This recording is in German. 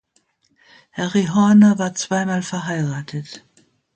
Harry Horner war zweimal verheiratet.